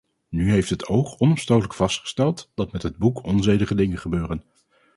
Nu heeft het oog onomstotelijk vastgesteld dat met het boek onzedige dingen gebeuren.